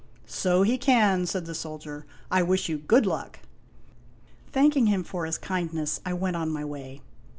So he can," said the soldier. " I wish you good luck." Thanking him for his kindness, I went on my way.